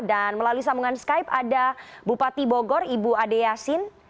dan melalui sambungan skype ada bupati bogor ibu ade yasin